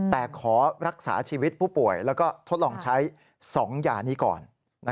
แต่ขอรักษาชีวิตผู้ป่วยแล้วก็ทดลองใช้๒ยานี้ก่อน